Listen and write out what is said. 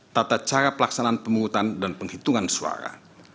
tata cara pelaksanaan pemungutan dan penghitungan suara